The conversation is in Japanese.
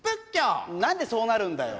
何でそうなるんだよ。